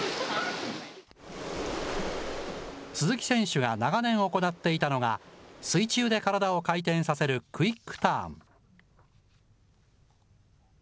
鈴木選手が長年行っていたのが、水中で体を回転させるクイックターン。